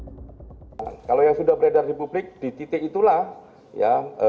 kalau yang sudah beredar di publik di titik itulah